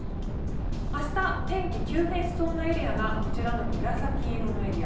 明日、天気急変しそうなエリアがこちらの紫色のエリア。